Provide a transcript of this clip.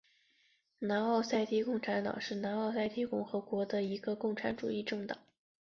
南奥塞梯共产党是南奥塞梯共和国的一个共产主义政党。